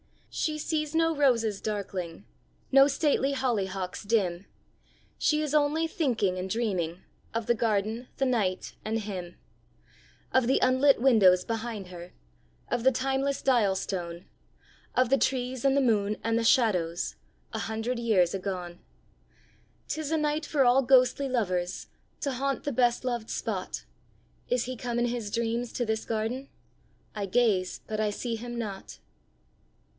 She sees no roses darkling, No stately hollyhocks dim; She is only thinking and dreaming Of the garden, the night, and him; Of the unlit windows behind her, Of the timeless dial stone, Of the trees, and the moon, and the shadows, A hundred years agone. 'Tis a night for all ghostly lovers To haunt the best loved spot: Is he come in his dreams to this garden? I gaze, but I see him not.